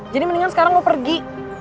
jadi mendingan sekarang gue pergi